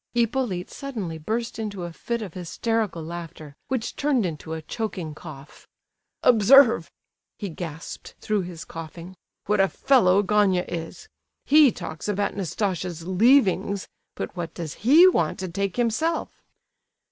Hippolyte suddenly burst into a fit of hysterical laughter, which turned into a choking cough. "Observe," he gasped, through his coughing, "what a fellow Gania is! He talks about Nastasia's 'leavings,' but what does he want to take himself?"